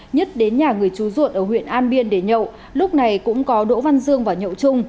nhất đến nhà người chú ruột ở huyện an biên để nhậu lúc này cũng có đỗ văn dương và nhậu trung